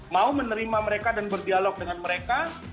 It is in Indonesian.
mau menerima mereka dan berdialog dengan mereka